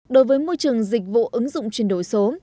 đối với môi trường dịch vụ ứng dụng chuyển đổi số